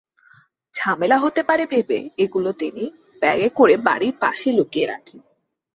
ঝামেলা হতে পারে ভেবে এগুলো তিনি ব্যাগে করে বাড়ির পাশে লুকিয়ে রাখেন।